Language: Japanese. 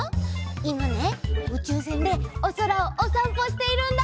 いまねうちゅうせんでおそらをおさんぽしているんだ！